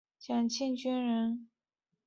蒋庆均人。